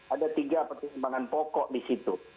ada tiga pertimbangan pokok di situ